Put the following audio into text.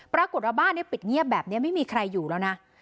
ปรากฏว่าบ้านปิดเงียบแบบนี้ไม่มีใครอยู่แล้วนะ